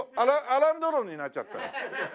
アラン・ドロンになっちゃった。